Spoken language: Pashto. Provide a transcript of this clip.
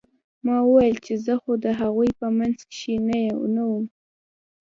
ما وويل چې زه خو د هغوى په منځ کښې نه وم.